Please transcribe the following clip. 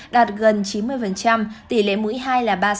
đạt gần chín mươi tỷ lệ mũi hai là ba mươi sáu